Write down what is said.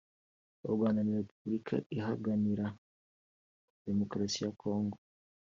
u Rwanda na Repubulika ihaganira Demokarasi ya Congo